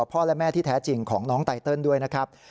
พ่อและแม่ที่แท้จริงของน้องไตเติลด้วยนะครับ